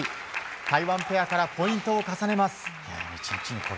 台湾ペアからポイントを重ねます。